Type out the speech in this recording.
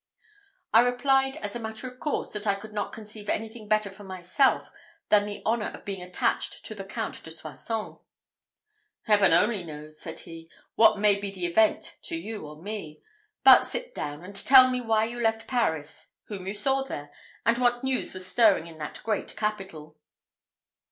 I replied, as a matter of course, that I could not conceive anything better for myself, than the honour of being attached to the Count de Soissons. "Heaven only knows," said he, "what may be the event to you or me. But sit down, and tell me when you left Paris whom you saw there and what news was stirring in that great capital?"